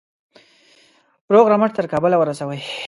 روغ رمټ تر کابله ورسوي.